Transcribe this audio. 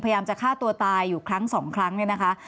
พยายามจะฆ่าตัวตายอยู่ครั้งสองครั้งเนี่ยนะคะ